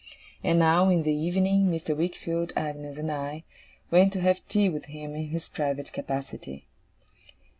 And now, in the evening, Mr. Wickfield, Agnes, and I, went to have tea with him in his private capacity.